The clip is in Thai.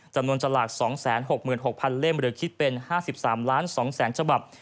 จำนวนสถานกรรม๒๖๖๐๐๐เล่มหรือคิดเป็น๕๓๒๐๐๐๐๐ฉบับ